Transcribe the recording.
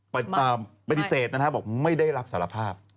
ปฏิเสธนะฮะบอกไม่ได้รับสารภาพ